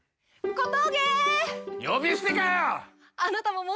小峠。